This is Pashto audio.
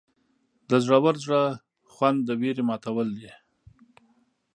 د زړور زړه خوند د ویرې ماتول دي.